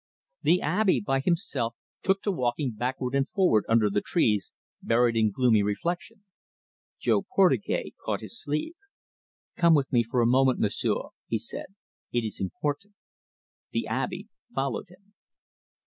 The Abby, by himself, took to walking backward and forward under the trees, buried in gloomy reflection. Jo Portugais caught his sleeve. "Come with me for a moment, M'sieu'," he said. "It is important." The Abby followed him.